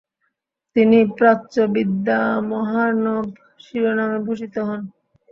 তিনি "প্রাচ্যবিদ্যামহার্ণব" শিরোনামে ভূষিত হন।